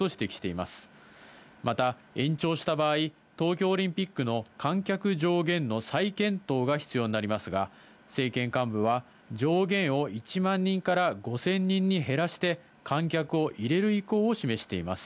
また、延長した場合、東京オリンピックの観客上限の再検討が必要になりますが、政権幹部は、上限を１万人から５０００人に減らして、観客を入れる意向を示しています。